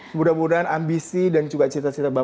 semoga moga ambisi dan juga cita cita bapak